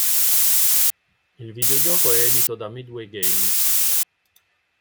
Il videogioco è edito da Midway Games.